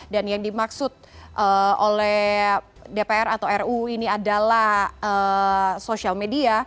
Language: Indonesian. dan yang dimaksud oleh dpr atau ruu ini adalah sosial media